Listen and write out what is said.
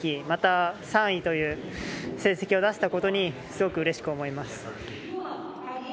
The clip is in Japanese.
また、３位という成績を出せたことにすごくうれしく思います。